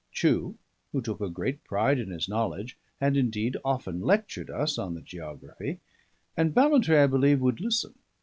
Chew, who took a great pride in his knowledge, had indeed often lectured us on the geography; and Ballantrae, I believe, would listen.